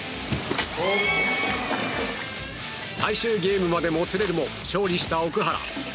最終ゲームまでもつれるも勝利した奥原。